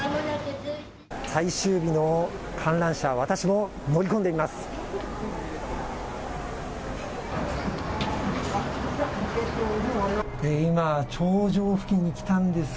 最終日の観覧車、私も乗り込んでみます。